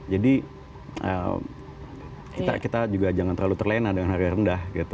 jadi kita juga jangan terlalu terlena dengan harga rendah